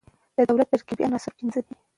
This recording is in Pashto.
د دولت ترکيبي عناصر پنځه دي.